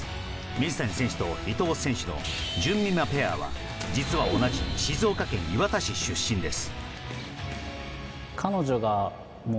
水谷選手と伊藤選手のじゅんみまペアは実は同じ静岡県磐田市出身です。